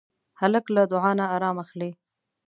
هلک له دعا نه ارام اخلي.